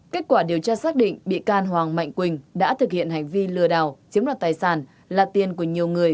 kết quả điều tra xác định bị can hoàng mạnh quỳnh đã thực hiện hành vi lừa đảo chiếm đoạt tài sản là tiền của nhiều người